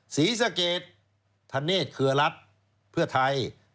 ศรีสะเกดธเนธเครือรัฐเพื่อไทย